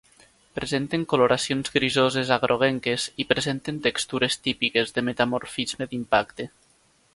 Presenten coloracions grisoses a groguenques i presenten textures típiques de metamorfisme d'impacte.